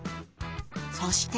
そして。